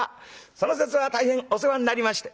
その節は大変お世話になりまして」。